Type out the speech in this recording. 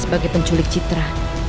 sebagai penculik citra